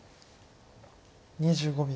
２５秒。